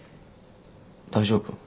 大丈夫？